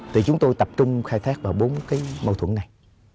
thì chúng tôi tập trung khai thác vào bốn cái mâu thuẫn này